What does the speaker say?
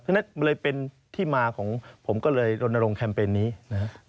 ฉะนั้นเลยเป็นที่มาของผมก็เลยรณรงคมเปญนี้นะครับ